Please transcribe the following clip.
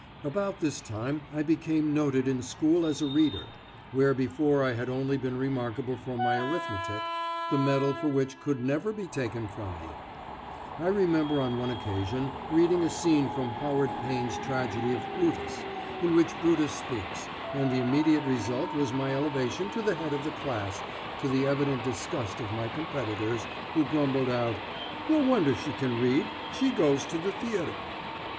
About this time I became noted in school as a reader, where before I had only been remarkable for my arithmetic, the medal for which could never be taken from me. I remember on one occasion reading a scene from Howard Payne's tragedy of "Brutus," in which Brutus speaks, and the immediate result was my elevation to the head of the class to the evident disgust of my competitors, who grumbled out, "No wonder she can read, she goes to the theatre!"